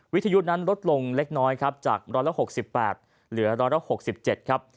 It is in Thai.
วิทยุทธิ์นั้นลดลงเล็กน้อยครับจากร้อยละ๖๘เหลือร้อยละ๖๗ครับ